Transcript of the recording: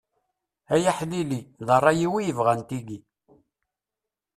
Ay aḥlili, d rray-iw i yebɣan tigi.